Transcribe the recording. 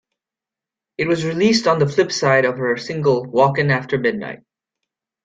It was released on the flip side of her single Walkin' After Midnight.